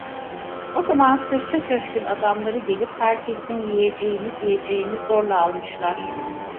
O zaman sırça köşkün adamları gelip herkesin yiyeceğini, giyeceğini zorla almışlar.